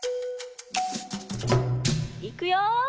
いくよ。